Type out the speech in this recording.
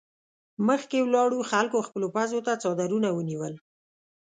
مخکې ولاړو خلکو خپلو پزو ته څادرونه ونيول.